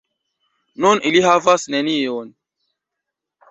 Nun ili havas nenion!